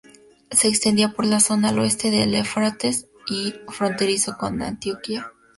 Se extendía por la zona al oeste del Éufrates, y era fronterizo con Antioquía.